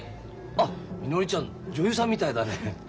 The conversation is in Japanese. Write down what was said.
あっみのりちゃん女優さんみたいだね。